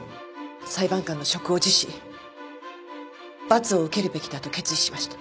裁判官の職を辞し罰を受けるべきだと決意しました。